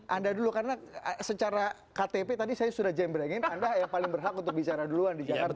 anda dulu karena secara ktp tadi saya sudah jembrengin anda yang paling berhak untuk bicara duluan di jakarta